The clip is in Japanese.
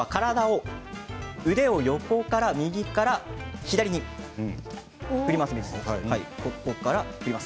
腕を横から右から左に振ります。